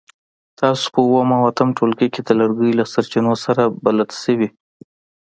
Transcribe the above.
تاسو په اووم او اتم ټولګي کې د لرګیو له سرچینو سره بلد شوي.